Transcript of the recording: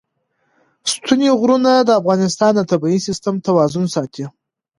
ستوني غرونه د افغانستان د طبعي سیسټم توازن ساتي.